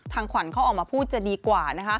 ขวัญเขาออกมาพูดจะดีกว่า